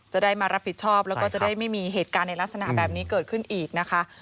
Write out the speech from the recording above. จะได้มารับผิดชอบแล้วก็จะได้ไม่มีเหตุการณ์ในลักษณะแบบนี้เกิดขึ้นอีกนะคะ